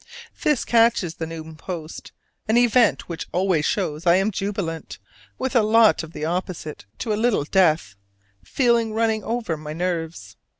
This catches the noon post, an event which always shows I am jubilant, with a lot of the opposite to a "little death" feeling running over my nerves.